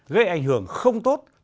gây ảnh hưởng không tốt cho mạng xã hội